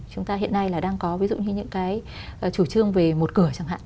chúng ta hiện nay là đang có ví dụ như những cái chủ trương về một cửa chẳng hạn